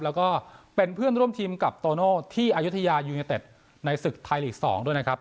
แล้วก็เป็นเพื่อนร่วมทีมกับโตโน่ที่อายุทยายูเนเต็ดในศึกไทยลีก๒ด้วยนะครับ